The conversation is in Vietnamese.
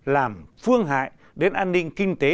làm phương hại đến an ninh kinh tế